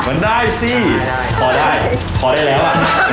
เหมือนได้สิไม่ได้พอได้พอได้แล้ว